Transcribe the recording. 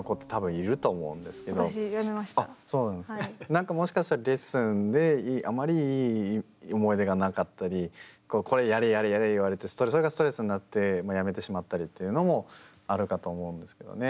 なんかもしかしたらレッスンであまりいい思い出がなかったりこれやれやれやれ言われてそれがストレスになってやめてしまったりっていうのもあるかと思うんですけどね。